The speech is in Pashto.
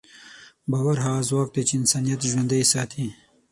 باور هغه ځواک دی چې انسانیت ژوندی ساتي.